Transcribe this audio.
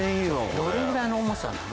どのぐらいの重さなの？